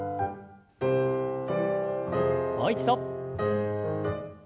もう一度。